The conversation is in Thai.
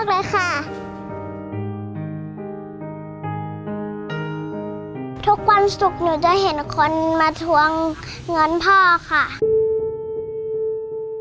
ทุกวันศุกร์หนูจะเห็นคนมาทวงเงินพ่อค่ะ